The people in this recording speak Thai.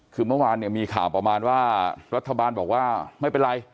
คือเมื่อวานเนี่ยมีข่าวประมาณว่ารัฐบาลบอกว่าไม่เป็นไร